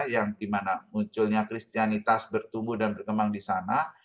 yang dimana munculnya kristianitas bertumbuh dan berkembang di sana